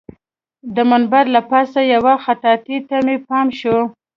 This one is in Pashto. د منبر له پاسه یوې خطاطۍ ته مې پام شو.